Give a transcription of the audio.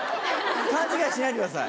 勘違いしないでください。